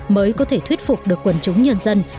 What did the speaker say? mới có thể thuyết phục được quần chúng nhân dân